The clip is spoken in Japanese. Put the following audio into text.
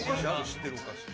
知ってるお菓子ある？